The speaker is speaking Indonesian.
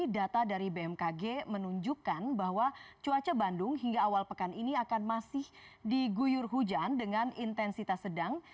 data dari bmkg menunjukkan bahwa cuaca bandung hingga awal pekan ini akan masih diguyur hujan dengan intensitas sedang